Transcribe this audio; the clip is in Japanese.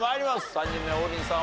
３人目王林さん